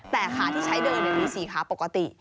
แต่ขาที่ใช้เดินเนี่ยมี๔ขาปกติ